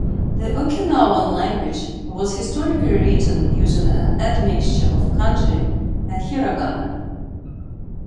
The Okinawan language was historically written using an admixture of kanji and hiragana.